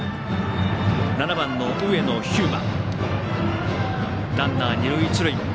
７番の上野飛馬。